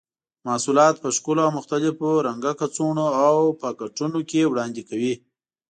محصولات په ښکلو او مختلفو رنګه کڅوړو او پاکټونو کې وړاندې کوي.